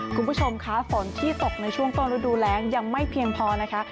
คุณผู้ชมคะฝนที่ตกในช่วงต้นฤดูแรงยังไม่เพียงพอนะคะ